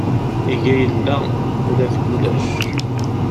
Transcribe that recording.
Iga illa ula deg ulac.